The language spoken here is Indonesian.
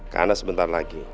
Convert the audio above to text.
karena sebentar lagi